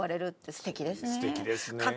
すてきですね。